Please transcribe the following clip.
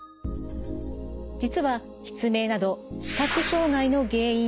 実は失明など視覚障害の原因